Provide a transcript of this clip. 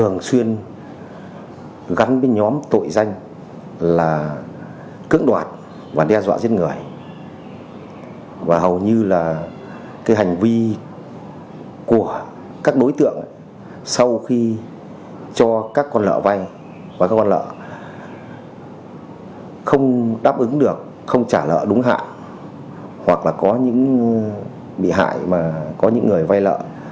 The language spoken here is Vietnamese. nếu có những người vay lợ